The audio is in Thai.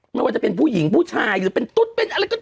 ไม่ว่าจะเป็นผู้หญิงผู้ชายหรือเป็นตุ๊ดเป็นอะไรก็